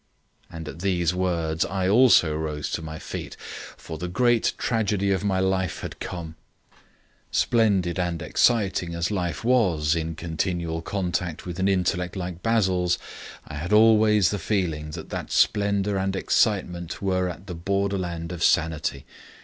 And at these words I also rose to my feet, for the great tragedy of my life had come. Splendid and exciting as life was in continual contact with an intellect like Basil's, I had always the feeling that that splendour and excitement were on the borderland of sanity.